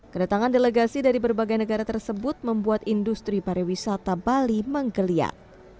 kedatangan delegasi dari berbagai negara tersebut membuat industri pariwisata bali menggeliat